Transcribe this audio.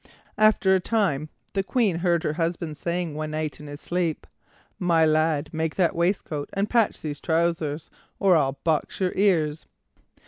After a time the Queen heard her husband saying one night in his sleep: "My lad, make that waistcoat and patch these trousers, or I'll box your ears."